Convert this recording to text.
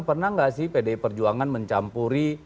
pernah nggak sih pdi perjuangan mencampuri